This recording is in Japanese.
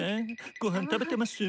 ごはん食べてますぅ？